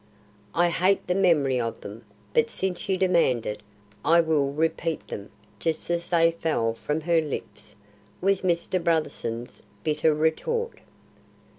"I hate the memory of them, but since you demand it, I will repeat them just as they fell from her lips," was Mr. Brotherson's bitter retort.